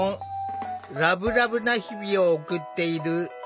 ラブラブな日々を送っている。